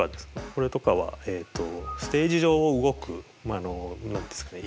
これとかはステージ上を動く何て言うんですかね